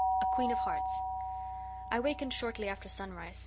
A QUEEN OF HEARTS I wakened shortly after sunrise.